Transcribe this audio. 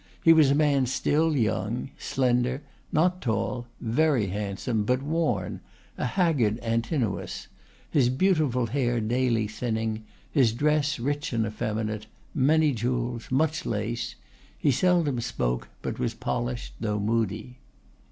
He was a man still young; slender, not tall; very handsome, but worn; a haggard Antinous; his beautiful hair daily thinning; his dress rich and effeminate; many jewels, much lace. He seldom spoke, but was polished, though moody.